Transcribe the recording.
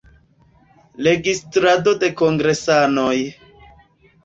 Registrado de kongresanoj.